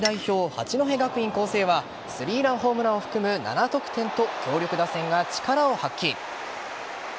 ・八戸学院光星は３ランホームランを含む７得点と強力打線が力を発揮。